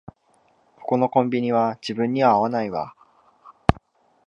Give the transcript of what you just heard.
ここのコンビニは自分には合わないわ